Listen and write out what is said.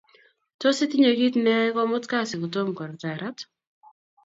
Tos, Itinye kit neiyoe komut kasi kotom koratarat?